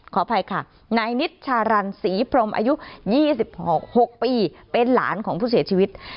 ขออภัยค่ะนายนิชชารันศรีพรมอายุ๒๖ปีเป็นหลานของผู้เสียชีวิต